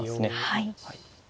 はい。